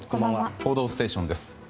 「報道ステーション」です。